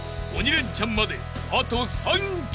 レンチャンまであと３曲］